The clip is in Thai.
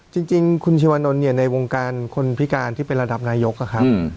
จริงคุณชวนนท์เนี่ยในวงการคนพิการที่เป็นระดับนายกนะครับ